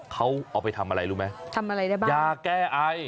เขาเอาไปทำอะไรรู้ไหมทำอะไรได้บ้างยาแก้ไอ